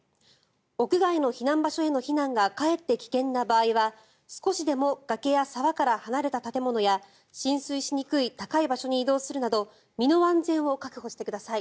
屋外の避難場所への避難がかえって危険な場合は少しでも崖や沢から離れた建物や浸水しにくい高い場所に移動するなど身の安全を確保してください。